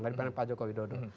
daripada pak joko widodo